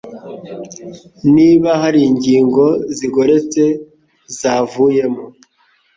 niba hari ingingo zigoretse zavuyemo